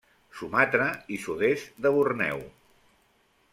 Sumatra i sud-est de Borneo.